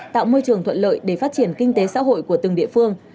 tạo môi trường thuận lợi để phát triển kinh tế xã hội của từng địa phương